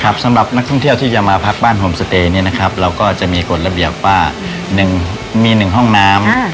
สำหรับนักท่องเที่ยวที่จะมาพักบ้านโฮมสเตย์เนี่ยนะครับเราก็จะมีกฎระเบียบว่ามี๑ห้องน้ำ